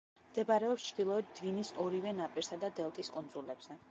მდებარეობს ჩრდილოეთ დვინის ორივე ნაპირსა და დელტის კუნძულებზე.